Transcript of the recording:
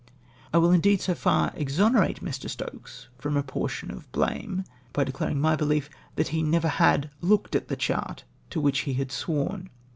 I will indeed so far exonerate Mr. Stokes from a portion of blame, by declaring my behef that he never had looked at the chart to which he had sworn.